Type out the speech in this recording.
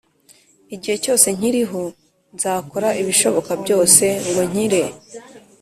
Igihe cyose nkiriho nzakora ibishoboka byose ngo nkire